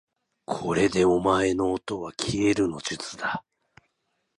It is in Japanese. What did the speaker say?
これでお前のおとはきえるの術だ